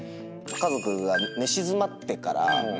家族が寝静まってから。